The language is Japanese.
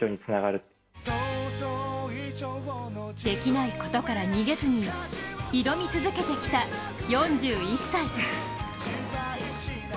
できないことから逃げずに挑み続けてきた４１歳。